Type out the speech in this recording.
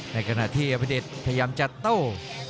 ในกรณะที่อัพพิเตธพยายามจะเต้า